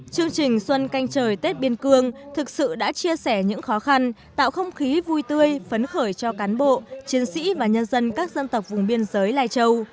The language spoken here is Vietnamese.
chương trình xuân canh trời tết biên cương thực sự đã chia sẻ những khó khăn tạo không khí vui tươi phấn khởi cho cán bộ chiến sĩ và nhân dân các dân tộc vùng biên giới lai châu